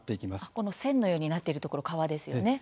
線のようになっているところ、川ですよね。